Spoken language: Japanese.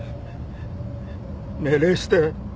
命令して